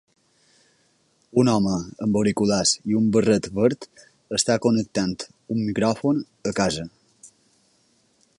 Un home amb auriculars i un barret verd està connectant un micròfon a casa.